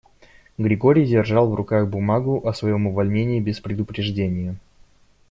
Григорий держал в руках бумагу о своём увольнении без предупреждения.